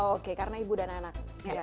oke karena ibu dan anak